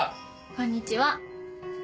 こんにちは。